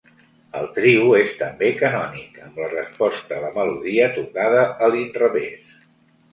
El trio és també canònic amb la resposta a la melodia tocada a l'inrevés.